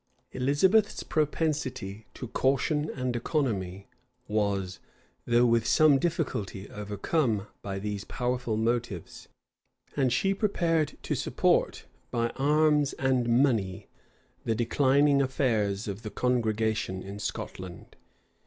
Elizabeth's propensity to caution and economy was, though with some difficulty,[*] overcome by these powerful motives and she prepared herself to support by arms and money the declining affairs of the congregation in Scotland.